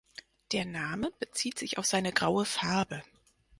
Der Name bezieht sich auf seine graue Farbe.